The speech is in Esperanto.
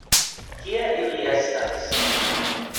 Kie ili estas?